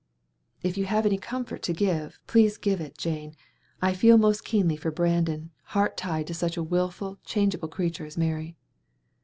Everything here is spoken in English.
"If you have any comfort to give, please give it, Jane. I feel most keenly for Brandon, heart tied to such a wilful, changeable creature as Mary."